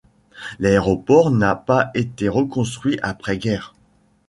L'aéroport n'a pas été reconstruit après guerre.